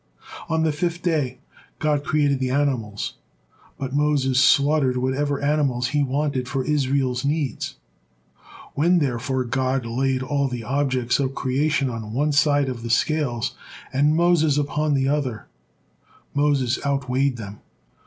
On the fifth day God created the animals, but Moses slaughtered whatever animals he wanted for Israel's needs. When, therefore, God laid all the objects of creation on one side of the scales, and Moses upon the other, Moses outweighed them.